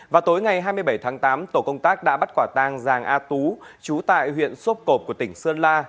vào tối ngày hai mươi bảy tháng tám tổ công tác đã bắt quả tang giàng a tú chú tại huyện sốp cộp của tỉnh sơn la